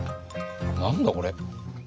何だこれ。